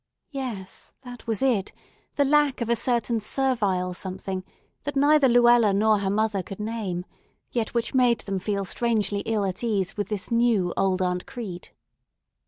Yes, that was it, the lack of a certain servile something that neither Luella nor her mother could name, yet which made them feel strangely ill at ease with this new old Aunt Crete.